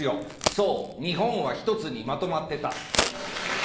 そうニホンは一つにまとまってた。